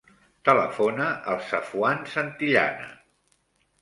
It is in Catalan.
Telefona al Safwan Santillana.